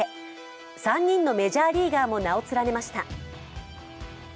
３人のメジャーリーガーも名を連ねました。